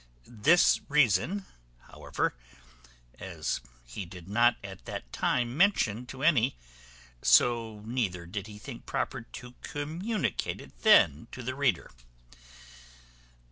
This reason, however, as he did not at that time mention to any, so neither did we think proper to communicate it then to the reader.